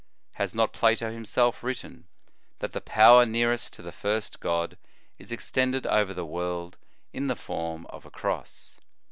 Has not Plato himself written, that the Power nearest to the first God, is extended over the world in the form of a Cross